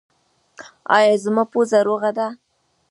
ایا زما پوزه روغه ده؟